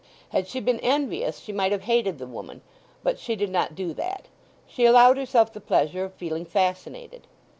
Had she been envious she might have hated the woman; but she did not do that—she allowed herself the pleasure of feeling fascinated.